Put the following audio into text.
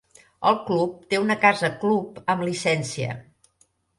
El club té una casa club amb llicència.